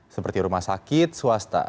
seperti rumah sakit swasta